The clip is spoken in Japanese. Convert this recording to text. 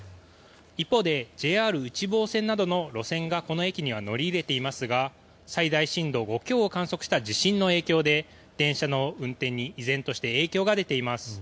一方でＪＲ内房線などの路線がこの駅には乗り入れていますが最大震度５強を観測した地震の影響で電車の運転に依然として影響が出ています。